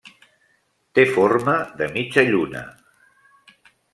Té forma de mitja lluna.